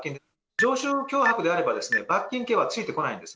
常習脅迫であれば、罰金刑はついてこないんです。